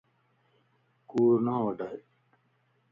ڪوڙ نه وڊائي